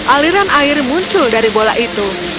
aliran air muncul dari bola itu